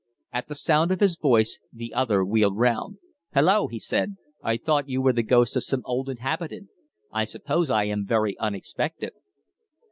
At the sound of his voice the other wheeled round. "Hallo!" he said. "I thought you were the ghost of some old inhabitant. I suppose I am very unexpected?"